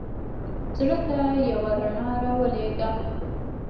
زړه ته یوه رڼا را ولېږه.